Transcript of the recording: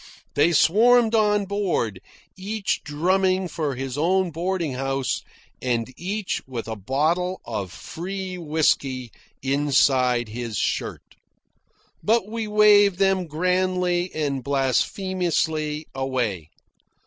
They swarmed on board, each drumming for his own boarding house, and each with a bottle of free whisky inside his shirt. But we waved them grandly and blasphemously away.